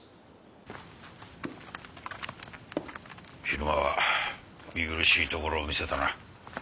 昼間は見苦しいところを見せたな。